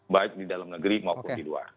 baik di dalam negeri maupun di luar